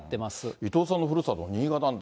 伊藤さんのふるさと、新潟なんて